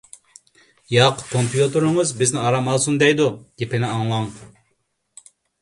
ياق، كومپيۇتېرىڭىز بىزنى ئارام ئالسۇن دەيدۇ، گېپىنى ئاڭلاڭ.